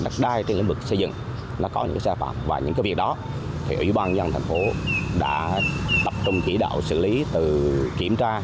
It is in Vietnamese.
tại đó ủy ban nhân thành phố đã tập trung chỉ đạo xử lý từ kiểm tra